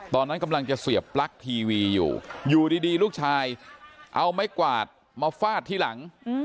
ตอนนั้นกำลังจะเสียบปลั๊กทีวีอยู่อยู่ดีลูกชายเอาไม้กวาดมาฟาดที่หลัง